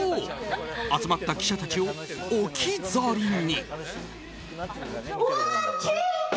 集まった記者たちを置き去りに。